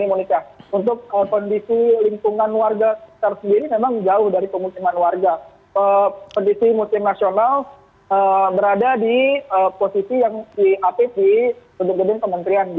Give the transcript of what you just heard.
untuk kondisi lingkungan warga sekitar sendiri memang jauh dari pemukiman warga kondisi museum nasional berada di posisi yang diapit di gedung gedung kementerian